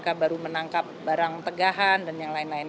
kpk baru menangkap barang tegahan dan yang lain lain